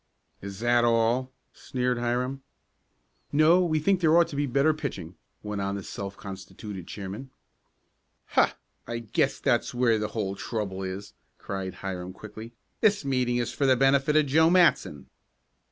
"Is that all?" sneered Hiram. "No, we think there ought to be better pitching," went on the self constituted chairman. "Ha! I guess that's where the whole trouble is!" cried Hiram quickly. "This meeting is for the benefit of Joe Matson."